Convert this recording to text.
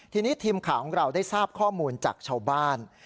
ทีนี้ทีมข่าวของเราได้ทราบข้อมูลจากชาวบ้าน